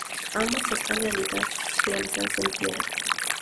Ambas están realizadas en piedra.